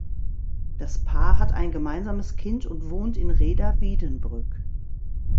Das Paar hat ein gemeinsames Kind und wohnt in Rheda-Wiedenbrück.